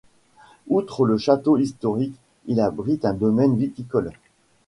Outre le château historique, il abrite un domaine viticole.